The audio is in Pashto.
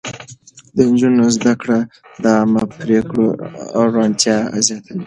د نجونو زده کړه د عامه پرېکړو روڼتيا زياتوي.